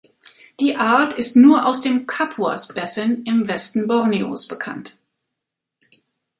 Die Art ist nur aus dem Kapuas-Basin im Westen Borneos bekannt.